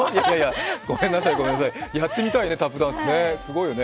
ごめんなさいやってみたいね、タップダンスねすごいよね。